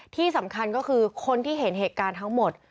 ที่สำคัญก็คือคนที่เห็นเหตุการณ์ทั้งหมด